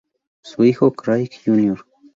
Su hijo Craig Jr.